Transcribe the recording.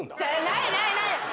ないないない！